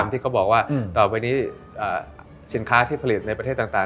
ที่เขาบอกว่าต่อไปนี้สินค้าที่ผลิตในประเทศต่าง